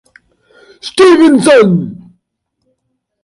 Stevenson.